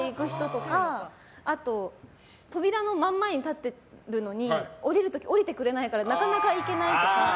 あと扉の真ん前に立ってるのに降りる時、降りてくれないからなかなか行けないとか。